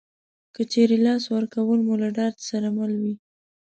که چېرې لاس ورکول مو له ډاډ سره مل وي